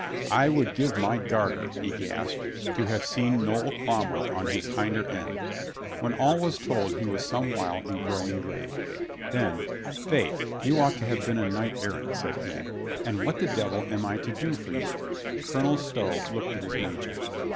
"I would give my garter," he gasped, "to have seen Noll Cromwell on his hinder end." When all was told he was some while in growing grave. Then, "Faith, you ought to have been a knight errant," said he. "And what the devil am I to do for you?" Colonel Stow looked at his major.